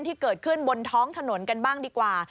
ที่เกิดขึ้นบนท้องถนนกันบ้างดีกว่า